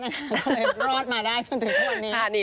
เพราะลอดมาได้จนถึงพอนี้